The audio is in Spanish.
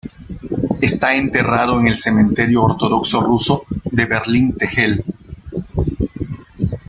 Está enterrado en el cementerio ortodoxo ruso de Berlín-Tegel.